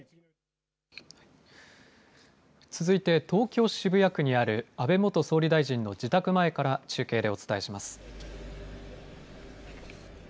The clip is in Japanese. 続いて東京渋谷区にある安倍元総理大臣の自宅前から中継でお伝えします。